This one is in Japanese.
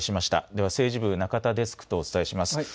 では、政治部、中田デスクとお伝えします。